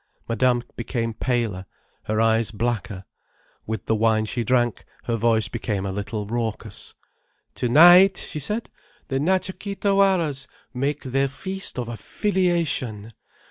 Madame became paler, her eyes blacker, with the wine she drank, her voice became a little raucous. "Tonight," she said, "the Natcha Kee Tawaras make their feast of affiliation.